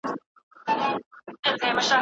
تاسو بايد د ميرمني عيبونه ونه پلټئ.